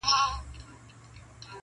ویل دا تعویذ دي زوی ته کړه په غاړه -